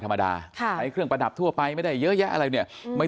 ธรรมดาใช้เครื่องประดับทั่วไปไม่ได้เยอะแยะอะไรเนี่ยไม่